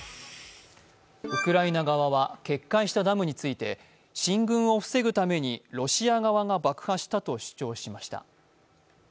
ウクライナ側は決壊したダムについて、進軍を防ぐためにロシア側が爆破したと主張しました。